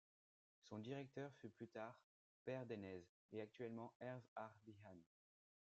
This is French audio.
Son directeur fut plus tard Per Denez et actuellement Herve ar Bihan.